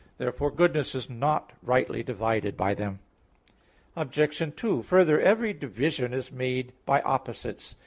Therefore goodness is not rightly divided by them. Obj. 2: Further, every division is made by opposites.